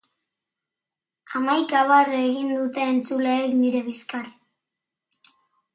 Hamaika barre egin dute entzuleek nire bizkar!